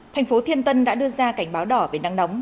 thành phố thiên tân đã đưa ra cảnh báo đỏ về nắng nóng